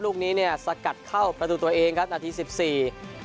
ลูกนี้เนี่ยสกัดเข้าประตูตัวเองครับนาทีสิบสี่